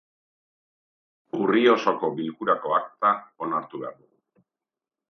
Urriko osoko bilkurako akta onartu behar dugu.